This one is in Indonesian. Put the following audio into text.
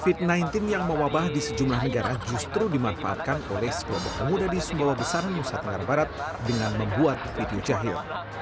covid sembilan belas yang mewabah di sejumlah negara justru dimanfaatkan oleh sekelompok pemuda di sumbawa besar nusa tenggara barat dengan membuat video jahit